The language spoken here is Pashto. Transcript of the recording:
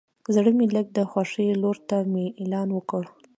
زړه مې لږ د خوښۍ لور ته میلان وکړ.